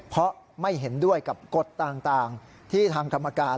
เพราะไม่เห็นด้วยกับกฎต่างที่ทางกรรมการ